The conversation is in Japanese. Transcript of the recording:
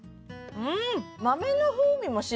うん！